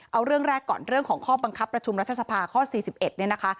เอาเรื่องแรกก่อนเรื่องของข้อบังคับประชุมรัฐษภาค่อสี่สิบเอ็ดเนี้ยนะคะ